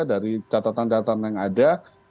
dari catatan catatan yang ada